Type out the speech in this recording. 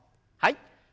はい。